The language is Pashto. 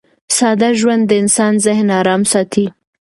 ساده ژوند د انسان ذهن ارام ساتي.